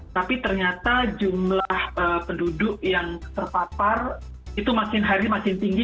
tapi ternyata jumlah penduduk yang terpapar itu makin hari makin tinggi